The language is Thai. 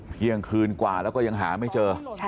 เที่ยงคืนกว่าแล้วก็ยังหาไม่เจอ